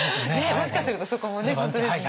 もしかするとそこもね本当ですね。